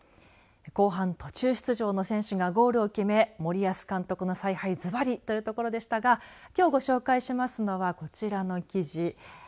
後半、途中出場の選手がゴールを決め森保監督の采配ずばりというところでしたがきょうご紹介しますのはこちらの記事。